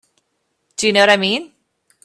Do you know what I mean?